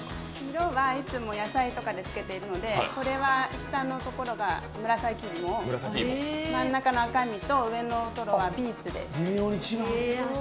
色はいつも野菜とかでつけているのでこれは下のところが紫芋、真ん中の赤身と上のトロはビーツです。